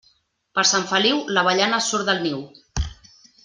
Per Sant Feliu, l'avellana surt del niu.